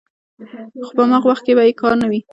خو په هماغه وخت کې یې په کار نه وي